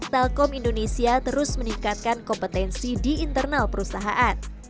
telkom indonesia terus meningkatkan kompetensi di internal perusahaan